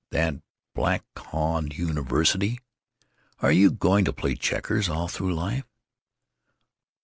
That Blackhaw University? Are you going to play checkers all through life?"